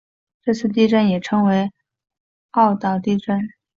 这次地震也称为奥尻岛地震。